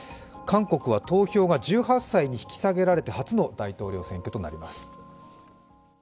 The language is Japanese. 韓国は投票が１８歳に引き下げられて初の大統領選挙となります。